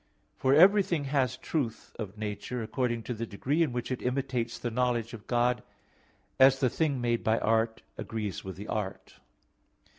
For everything has truth of nature according to the degree in which it imitates the knowledge of God, as the thing made by art agrees with the art.